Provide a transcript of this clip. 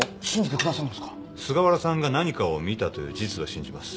菅原さんが何かを見たという事実は信じます。